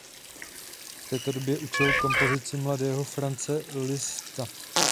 V této době učil kompozici mladého Franze Liszta.